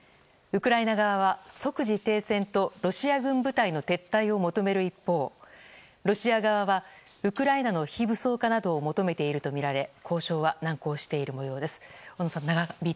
ウクライナ側は、即時停戦とロシア軍部隊の撤退を求める一方、ロシア側はウクライナの非武装化などを求めているとみられ交渉は難航している模様です。